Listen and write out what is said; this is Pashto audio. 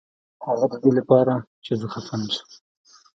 هغه ددې لپاره چې زه خفه نشم.